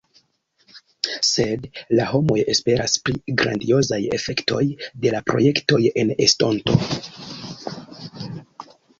Sed la homoj esperas pri grandiozaj efektoj de la projektoj en estonto.